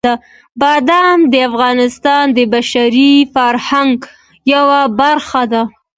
بادام د افغانستان د بشري فرهنګ یوه برخه ده.